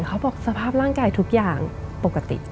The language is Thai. เขาบอกสภาพร่างกายทุกอย่างปกติ